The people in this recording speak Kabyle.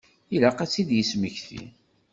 Ilaq ad tt-id-yesmekti.